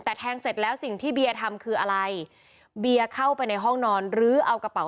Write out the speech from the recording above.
แต่แทงเสร็จแล้วสิ่งที่เบียร์ทำคืออะไรเบียเข้าไปในห้องนอนหรือเอากระเป๋า